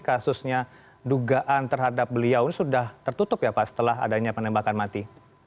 kasusnya dugaan terhadap beliau ini sudah tertutup ya pak setelah adanya penembakan mati